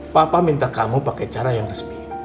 papa minta kamu pakai cara yang resmi